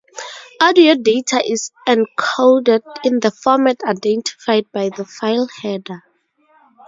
Audio data is encoded in the format identified by the file header.